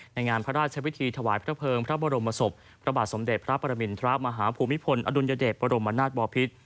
งานพระราชวิธีถวายพระเภิงพระบรมศพพระบาทสมเด็จพระปรมินทรมาฮภูมิพลอดุลยเดชบรมนาศบอพิษ